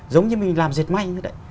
giống như mình làm dệt may như thế đấy